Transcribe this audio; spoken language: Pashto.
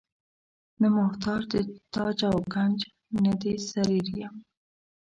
نه محتاج د تاج او ګنج نه د سریر یم.